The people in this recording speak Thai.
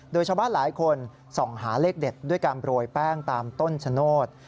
โดยชาวบ้านหลายคนส่องหาเลขเด็ดด้วยการโรยแป้งตามต้นชะโนธ